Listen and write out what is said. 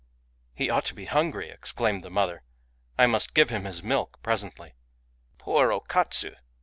"He ought to be hungry," exclaimed the mother; "I must give him his milk presently." •••" Poor O Katsu !